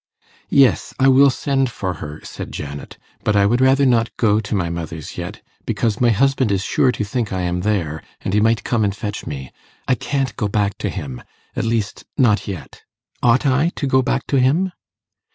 'Yes, I will send for her,' said Janet. 'But I would rather not go to my mother's yet, because my husband is sure to think I am there, and he might come and fetch me. I can't go back to him ... at least, not yet. Ought I to go back to him?